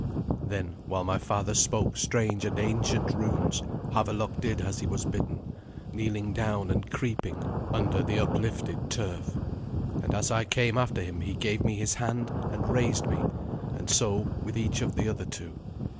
Then, while my father spoke strange and ancient runes, Havelok did as he was bidden, kneeling down and creeping under the uplifted turf; and as I came after him he gave me his hand and raised me, and so with each of the other two.